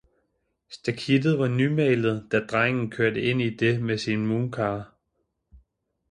Stakittet var nymalet, da drengen kørte ind i det med sin Mooncar.